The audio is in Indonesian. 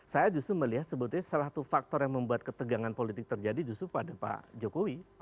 saya justru melihat sebetulnya salah satu faktor yang membuat ketegangan politik terjadi justru pada pak jokowi